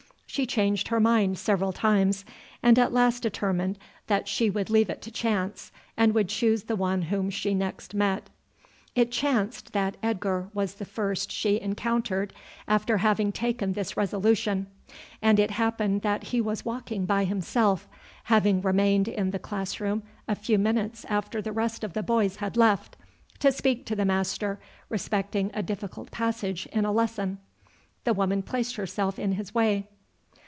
She changed her mind several times, and at last determined that she would leave it to chance, and would choose the one whom she next met. It chanced that Edgar was the first she encountered after having taken this resolution, and it happened that he was walking by himself, having remained in the class room a few minutes after the rest of the boys had left, to speak to the master respecting a difficult passage in a lesson. The woman placed herself in his way.